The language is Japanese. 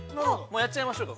やっちゃいましょうか？